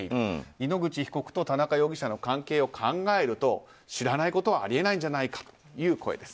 井ノ口被告と田中容疑者の関係を考えると知らないことはあり得ないんじゃないかという声です。